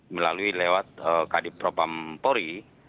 melalui lewat kadipropam polri